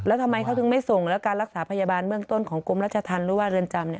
แล้วทำไมเขาถึงไม่ส่งแล้วการรักษาพยาบาลเบื้องต้นของกรมราชธรรมหรือว่าเรือนจำ